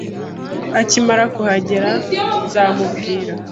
Akimara kuhagera, nzamubwira.